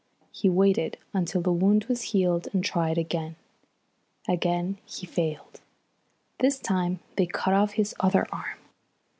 He waited until the wound was healed and tried again. Again he failed. This time they cut off his other arm.